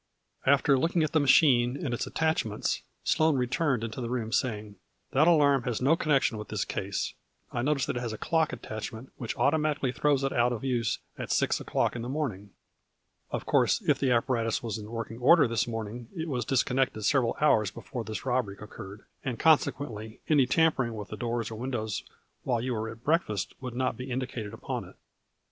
After looking at the machine and its attach ments, Sloane returned into the room, saying, " That alarm has no connection with this case I notice that it has a clock attachment which automatically throws it out of use at six o'clock in the morning. Of course, if the apparatus was in working order this morning, it was dis connected several hours before this robbery oc curred, and consequently any tampering with the doors or windows while you were at break fast would not be indicated upon it."